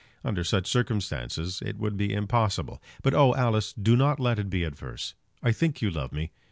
Under such circumstances it would be impossible. But, oh, Alice! do not let it be adverse. I think you love me.